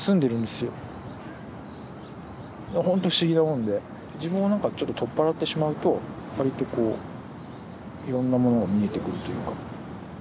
本当不思議なもんで自分を何かちょっと取っ払ってしまうと割とこういろんなものが見えてくるというか。